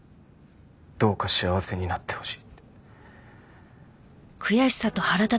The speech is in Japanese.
「どうか幸せになってほしい」